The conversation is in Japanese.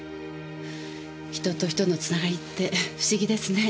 人と人のつながりって不思議ですね。